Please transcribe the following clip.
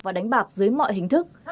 và đánh bạc dưới mọi hình thức